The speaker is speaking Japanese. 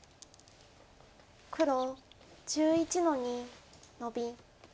黒１１の二ノビ。